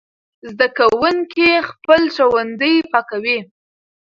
زده کوونکي خپل ښوونځي پاکوي.